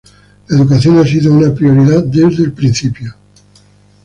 La educación ha sido una prioridad desde el principio.